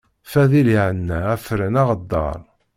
Fadil yeɛna afran aɣeddaṛ.